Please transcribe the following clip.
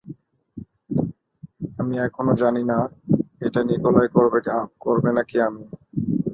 আমি এখনো জানি না এটা নিকোলাই করবে নাকি আমি।